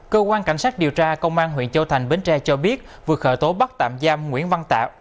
cơ quan cảnh sát điều tra công an huyện châu thành bến tre cho biết vừa khởi tố bắt tạm giam nguyễn văn tạo